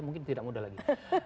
mungkin tidak muda lagi